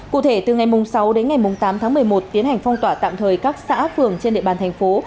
cụ thể từ ngày sáu đến ngày tám tháng một mươi một tiến hành phong tỏa tạm thời các xã phường trên địa bàn thành phố